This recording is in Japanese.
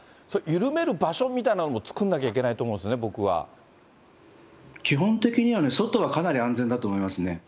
それ、緩める場所みたいなものも作んなきゃいけないと思うんですね、僕基本的にはね、外はかなり安全だと思いますね。